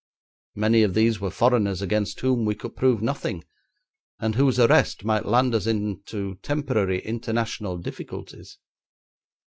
Many of these were foreigners against whom we could prove nothing, and whose arrest might land us into temporary international difficulties.